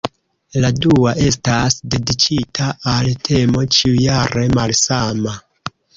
La dua estas dediĉita al temo ĉiujare malsama.